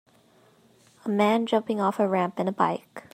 a man jumping off a ramp in a bike